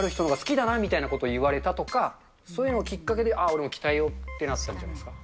筋肉ある人のほうが好きだなみたいなことを言われたとか、そういうのをきっかけで、俺も鍛えようとなったんじゃないんですか。